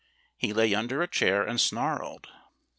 He lay under a chair and snarled.